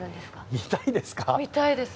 見たいです。